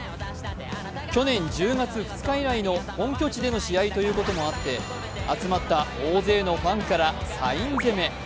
去年１０月２日以来の本拠地での試合ということもあって集まった大勢のファンからサイン攻め。